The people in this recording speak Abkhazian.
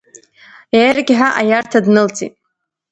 Ергьҳәа аиарҭа днылҵит.